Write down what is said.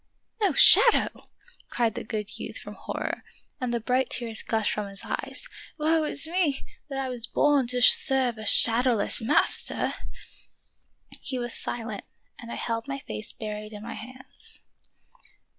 "No shadow!" cried the good youth with hor ror, and the bright tears gushed from his eyes. "Woe is me, that I was born to serve a shadow less master !" He was silent, and I held my face buried in my hands.